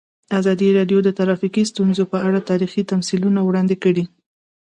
ازادي راډیو د ټرافیکي ستونزې په اړه تاریخي تمثیلونه وړاندې کړي.